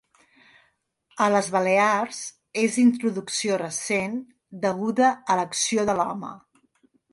A les Balears és d'introducció recent, deguda a l'acció de l'home.